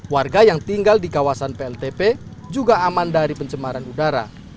warga yang tinggal di kawasan pltp juga aman dari pencemaran udara